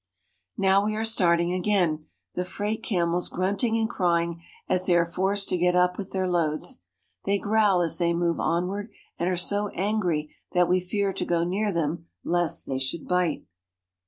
68 AFRICA Now we are starting again, the freight camels grunting and crying as they are forced to get up with their loads. They growl as they move onward, and are so angry that we fear to go near them lest they should bite.